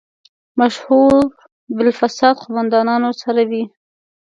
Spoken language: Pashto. مشهور بالفساد قوماندانانو سره وي.